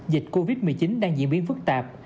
dịch covid một mươi chín đang diễn biến phức tạp